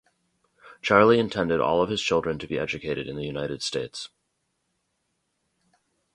Charlie intended all of his children to be educated in the United States.